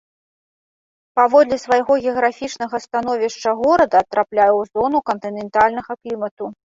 Паводле свайго геаграфічнага становішча горада трапляе ў зону кантынентальнага клімату.